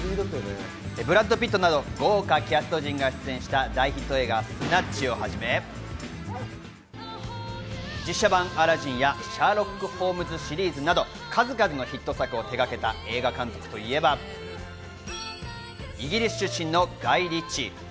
ブラッド・ピットなど豪華キャスト陣が出演した大ヒット映画『スナッチ』をはじめ、実写版『アラジン』や『シャーロック・ホームズ』シリーズなど数々のヒット作を手がけた映画監督といえば、イギリス出身のガイ・リッチー。